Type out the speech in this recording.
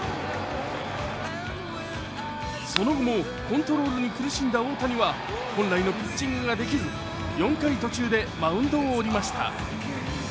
その後もコントロールに苦しんだ大谷は本来のピッチングができず４回途中でマウンドを降りました。